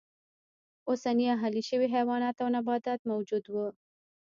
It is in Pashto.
اوسني اهلي شوي حیوانات او نباتات موجود و.